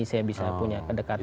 saya bisa punya kedekatan